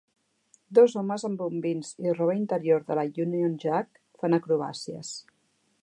Dos homes amb bombins i roba interior de la Union Jack fan acrobàcies.